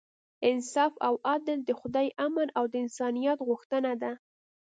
انصاف او عدل د خدای امر او د انسانیت غوښتنه ده.